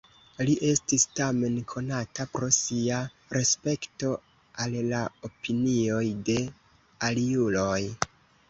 Li estis tamen konata pro sia respekto al la opinioj de aliuloj.